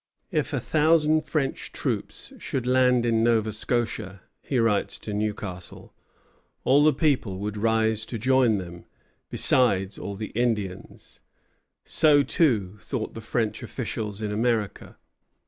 "If a thousand French troops should land in Nova Scotia," he writes to Newcastle, "all the people would rise to join them, besides all the Indians." [Footnote: Shirley to Newcastle, 29 Oct. 1745.] So, too, thought the French officials in America.